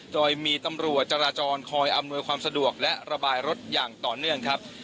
โดยมีตำรวจจราจรคอยอำนวยความสะดวกและระบายรถอย่างต่อเนื่องครับ